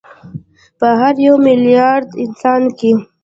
په هر یو میلیارد انسان کې